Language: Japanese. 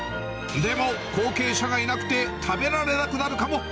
でも後継者がいなくて食べられなくなるかも。